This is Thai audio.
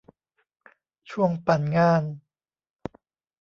ช่วงปั่นงาน